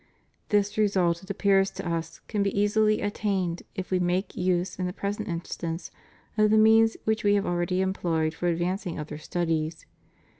This result, it appears to Us, can be easily attained if we make use in the present instance of the means which We have al ready employed for advancing other studies.